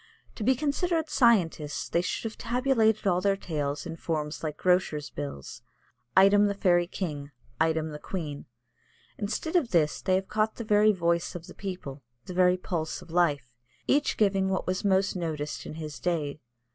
To be considered scientists they should have tabulated all their tales in forms like grocers' bills item the fairy king, item the queen. Instead of this they have caught the very voice of the people, the very pulse of life, each giving what was most noticed in his day.